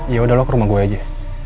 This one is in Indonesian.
yaudah lo ke rumah gue aja